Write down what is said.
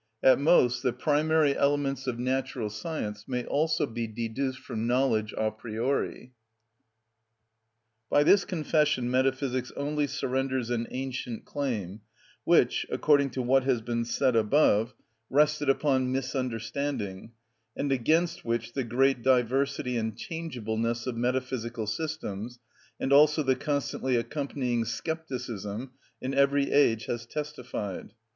At most the primary elements of natural science may also be deduced from knowledge a priori. By this confession metaphysics only surrenders an ancient claim, which, according to what has been said above, rested upon misunderstanding, and against which the great diversity and changeableness of metaphysical systems, and also the constantly accompanying scepticism, in every age has testified.